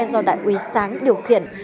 do đại úy sáng điều khiển